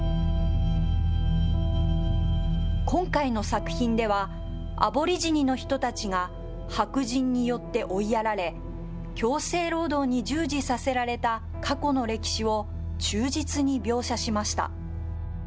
今回の作品では、アボリジニの人たちが、白人によって追いやられ、強制労働に従事させられた過去の歴史を忠実に描写しました。